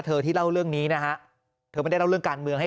ที่เล่าเรื่องนี้นะฮะเธอไม่ได้เล่าเรื่องการเมืองให้